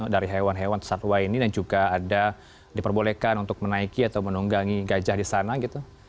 dari hewan hewan atau satwa ini dan juga ada diperbolehkan untuk menaiki atau menunggangi gajah di sana gitu